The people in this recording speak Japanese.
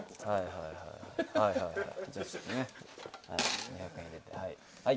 じゃあちょっとね２００円入れてはい。